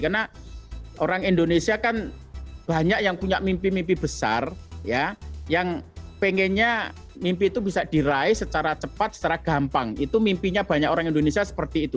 karena orang indonesia kan banyak yang punya mimpi mimpi besar ya yang pengennya mimpi itu bisa diraih secara cepat secara gampang itu mimpinya banyak orang indonesia seperti itu